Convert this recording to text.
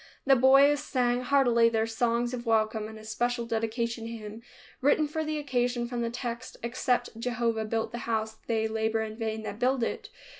The boys sang heartily their songs of welcome and a special dedication hymn written for the occasion from the text, "Except Jehovah build the house, they labor in vain that build it."